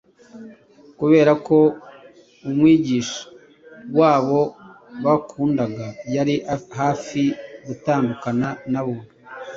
Kubera ko umwigisha wabo bakundaga yari hafi gutandukana na bo,